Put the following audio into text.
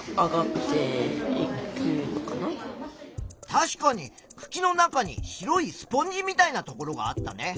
確かにくきの中に白いスポンジみたいなところがあったね。